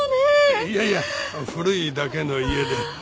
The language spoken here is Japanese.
いやいや古いだけの家で。